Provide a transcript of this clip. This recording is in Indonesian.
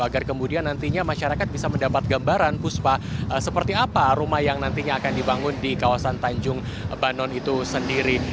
agar kemudian nantinya masyarakat bisa mendapat gambaran puspa seperti apa rumah yang nantinya akan dibangun di kawasan tanjung banon itu sendiri